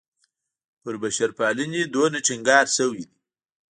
پر بشرپالنې دومره ټینګار شوی دی.